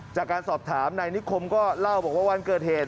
จากการสอบถามนายนิคมก็เล่าบอกว่าวันเกิดเหตุ